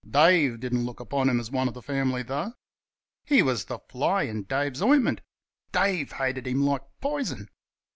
Dave didn't look upon him as one of the family, though. He was the fly in Dave's ointment. Dave hated him like poison.